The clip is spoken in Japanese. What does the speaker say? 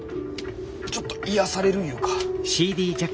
ちょっと癒やされるいうか。